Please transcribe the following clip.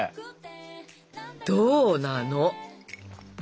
どうなの？